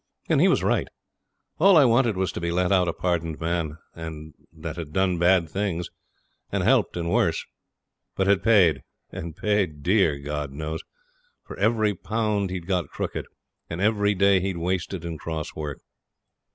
And he was right. All I wanted was to be let out a pardoned man, that had done bad things, and helped in worse; but had paid and paid dear, God knows for every pound he'd got crooked and every day he'd wasted in cross work.